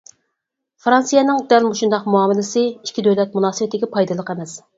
فىرانسىيەنىڭ دەل مۇشۇنداق مۇئامىلىسى ئىككى دۆلەت مۇناسىۋىتىگە پايدىلىق ئەمەس.